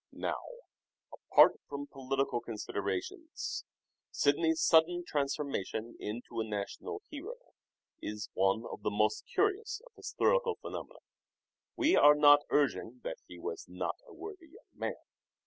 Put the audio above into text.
Sidney's Now, apart from political considerations, Sidney's sudden transformation into a national hero is one of the most curious of historical phenomena. We are not urging that he was not a worthy young man.